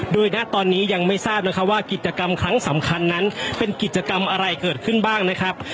โดยณตอนนี้ยังไม่ทราบนะคะว่ากิจกรรมครั้งสำคัญนั้นเป็นกิจกรรมอะไรเกิดขึ้นบ้างนะครับ